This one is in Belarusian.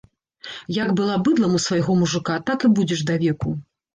Як была быдлам у свайго мужыка, так і будзеш давеку.